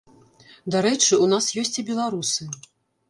Дарэчы, у нас ёсць і беларусы.